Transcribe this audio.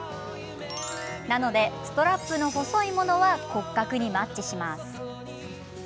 なのでストラップの細いものは骨格にマッチします。